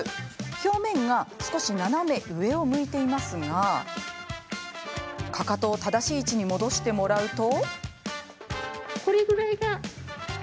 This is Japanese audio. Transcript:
表面が少し斜め上を向いていますがかかとを正しい位置に戻してもらうと。